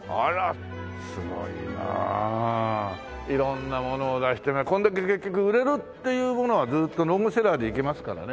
色んなものを出してねこんだけ結局売れるっていうものはずっとロングセラーでいけますからね。